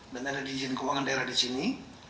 dan ada di izin keuangan daerah di sini